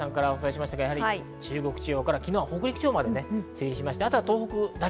中国地方から昨日、北陸地方まで梅雨入りしました。